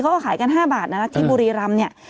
เขาก็ขายกัน๕บาทนะที่บุรีรำเนี่ย